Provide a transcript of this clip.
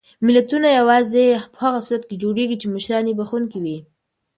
ملتونه یوازې په هغه صورت کې جوړېږي چې مشران یې بښونکي وي.